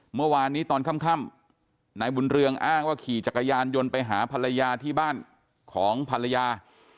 เมื่อวานนี้ตอนค่ำนายบุญเรืองอ้างว่าขี่จักรยานยนต์ไปหาภรรยาที่บ้านของภรรยา